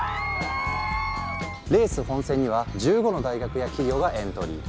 レース本戦には１５の大学や企業がエントリー。